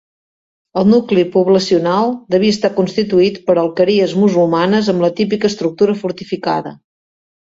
El nucli poblacional devia estar constituït per alqueries musulmanes amb la típica estructura fortificada.